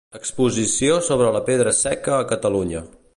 Exposició sobre la pedra seca a Catalunya.